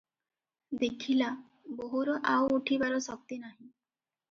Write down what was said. ଦେଖିଲା, ବୋହୂର ଆଉ ଉଠିବାର ଶକ୍ତି ନାହିଁ ।